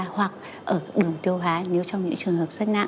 hoặc ở đường tiêu hóa nếu trong những trường hợp rất nặng